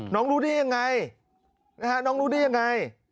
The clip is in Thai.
รู้ได้ยังไงน้องรู้ได้ยังไง